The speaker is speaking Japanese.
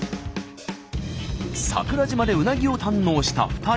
桜島でうなぎを堪能した２人。